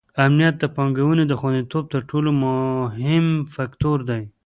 امنیت د پانګونې د خونديتوب تر ټولو مهم فکتور دی.